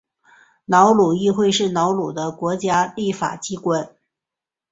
瑙鲁议会是瑙鲁的国家立法机关。